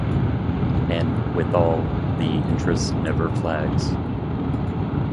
And withal the interest never flags.